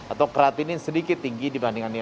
atau kreatinin sedikit tinggi dibandingkan nilai